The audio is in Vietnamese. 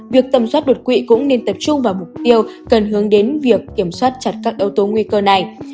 việc tầm soát đột quỵ cũng nên tập trung vào mục tiêu cần hướng đến việc kiểm soát chặt các yếu tố nguy cơ này